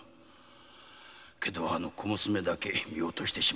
けれどあの娘だけ見落としてしまったのだ